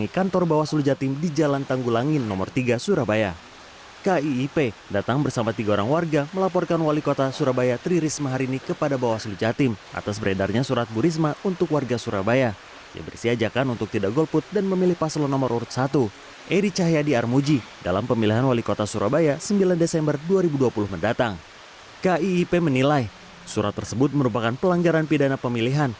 kiip menilai surat tersebut merupakan pelanggaran pidana pemilihan